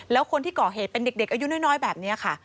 แล้วคนที่ก่อเหตุเป็นเด็กอายุน้อยแบบนี้ค่ะ